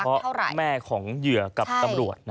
เพราะแม่ของเหยื่อกับตำรวจ